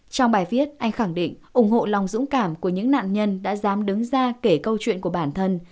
trong bài viết anh khẳng định ủng hộ lòng dũng cảm của những nạn nhân đã dám đứng ra kể câu chuyện của bản thân